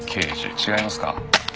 違いますか？